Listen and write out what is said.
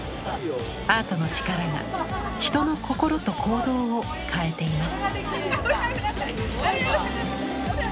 アートの力が人の心と行動を変えています。